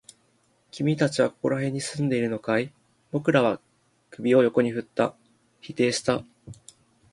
君たちはここら辺に住んでいるのかい？僕らは首を横に振った。否定した。